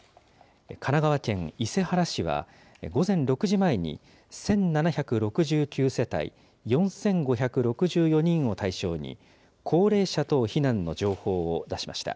神奈川県伊勢原市は、午前６時前に１７６９世帯４５６４人を対象に高齢者等避難の情報を出しました。